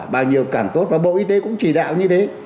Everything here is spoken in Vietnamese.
bao nhiêu càng tốt và bộ y tế cũng chỉ đạo như thế